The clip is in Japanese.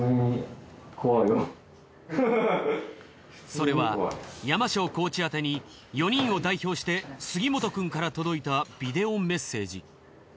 それはＹＡＭＡＳＨＯコーチ宛てに４人を代表して杉本くんから届いたビデオメッセージ。